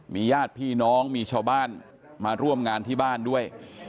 มีญาติพี่น้องมีชาวบ้านมาร่วมงานที่บ้านด้วย